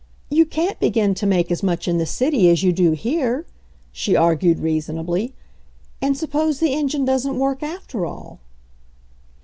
"You can't begin to make as much in the oily as you do here," she argued reasonably. ''And suppose the engine doesn't work, after all